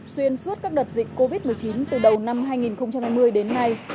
xuyên suốt các đợt dịch covid một mươi chín từ đầu năm hai nghìn hai mươi đến nay